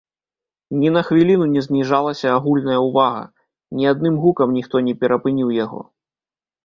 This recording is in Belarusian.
Ні на хвіліну не зніжалася агульная ўвага, ні адным гукам ніхто не перапыніў яго.